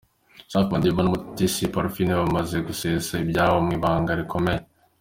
Safi madiba n’ Umutesi Parfine bamaze gusesa ibyabo mu ibanga rikomeye.